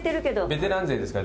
ベテラン勢ですから。